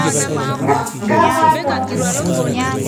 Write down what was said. Ngamandyo.